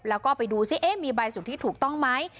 แล้วก็ไปดูซิมีใบสุทธิถูกต้องไหม